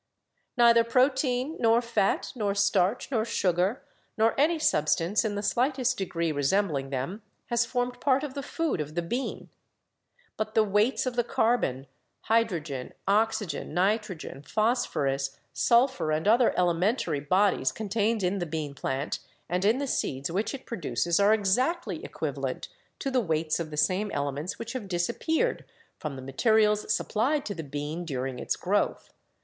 Neither protein, nor fat, nor starch, nor sugar, nor any substance in the slightest degree resembling them has formed part of the food of the bean. But the weights of the carbon, hydrogen, oxy gen, nitrogen, phosphorus, sulphur and other elementary bodies contained in the bean plant and in the seeds which it produces are exactly equivalent to the weights of the same elements which have disappeared from the materials supplied to the bean during its growth.